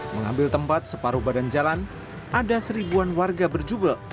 mengambil tempat separuh badan jalan ada seribuan warga berjubel